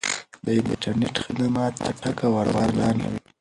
د انټرنیټ خدمات چټک او ارزانه وي.